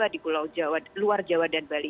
di luar jawa dan bali